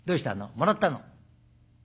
「もらった？